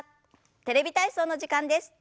「テレビ体操」の時間です。